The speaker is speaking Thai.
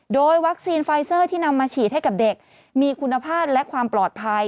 โดยวัคซีนไฟเซอร์ที่นำมาฉีดให้กับเด็กมีคุณภาพและความปลอดภัย